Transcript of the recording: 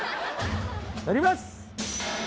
乗ります。